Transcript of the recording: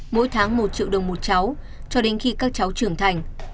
mỗi tháng một triệu đồng một cháu cho đến khi các cháu trưởng thành